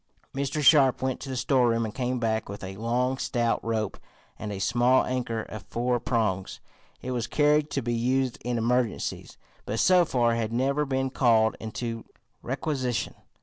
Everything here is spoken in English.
Mr. Sharp went to the storeroom and came back with a long, stout rope and a small anchor of four prongs. It was carried to be used in emergencies, but so far had never been called into requisition.